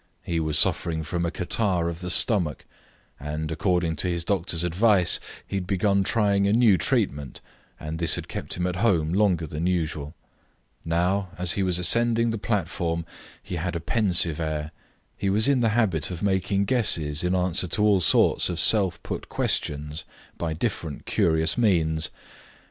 He was suffering from a catarrh of the stomach, and, according to his doctor's advice, he had begun trying a new treatment, and this had kept him at home longer than usual. Now, as he was ascending the platform, he had a pensive air. He was in the habit of making guesses in answer to all sorts of self put questions by different curious means.